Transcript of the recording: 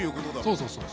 そうそうそう。